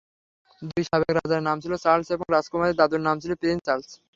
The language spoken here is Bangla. দুই সাবেক রাজার নাম ছিল চার্লস এবং রাজকুমারীর দাদুর নাম প্রিন্স চার্লস।